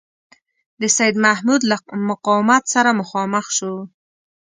د سیدمحمود له مقاومت سره مخامخ شو.